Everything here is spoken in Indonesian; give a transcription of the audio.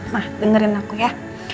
ma dengerin aku ya